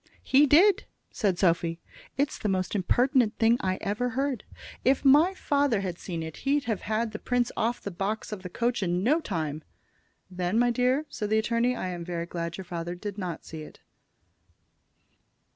"He did," said Sophy. "It's the most impertinent thing I ever heard. If my father had seen it he'd have had the prince off the box of the coach in no time." "Then, my dear," said the attorney, "I am very glad that your father did not see it."